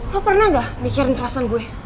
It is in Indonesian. lo pernah gak mikirin perasaan gue